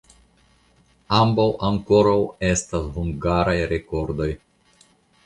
Ambaŭ ankoraŭ estas hungaraj rekordoj.